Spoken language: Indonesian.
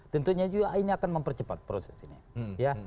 tentunya juga ini akan mempercepat proses ini